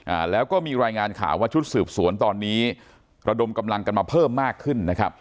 อ่าแล้วก็มีรายงานข่าวว่าชุดสืบสวนตอนนี้ระดมกำลังกันมาเพิ่มมากขึ้นนะครับ